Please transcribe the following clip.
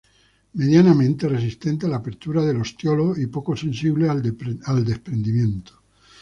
Medianamente resistentes a la apertura del ostiolo, y poco sensibles al desprendimiento.